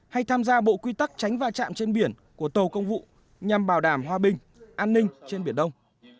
hay tham gia bộ quy tắc tránh va chạm trên biển của tàu công vụ nhằm bảo đảm hòa bình an ninh trên biển đông